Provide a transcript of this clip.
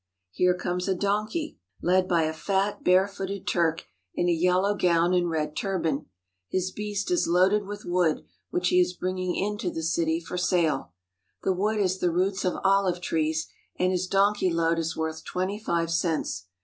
Here comes a donkey led by a fat, 40 JERUSALEM IN THE TWENTIETH CENTURY bare footed Turk in a yellow gown and red turban. His beast is loaded with wood which he is bringing into the city for sale. The wood is the roots of olive trees and his donkey load is worth twenty five cents.